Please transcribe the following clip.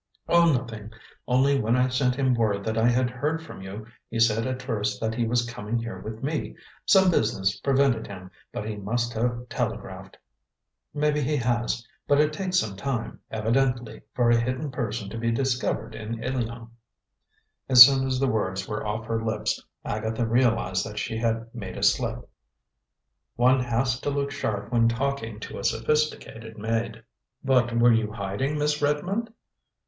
"Oh, nothing; only when I sent him word that I had heard from you, he said at first that he was coming here with me. Some business prevented him, but he must have telegraphed." "Maybe he has; but it takes some time, evidently, for a hidden person to be discovered in Ilion." As soon as the words were off her lips, Agatha realized that she had made a slip. One has to look sharp when talking to a sophisticated maid. "But were you hiding, Miss Redmond?"